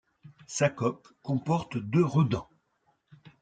Sa coque comporte deux redents.